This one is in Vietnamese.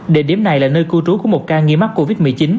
địa điểm này là nơi cư trú của một ca nghi mắc covid một mươi chín